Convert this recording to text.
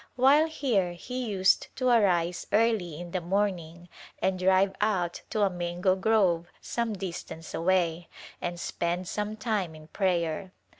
While here he used to arise early in the morning and drive out to a mango grove some distance away and spend some time in prayer.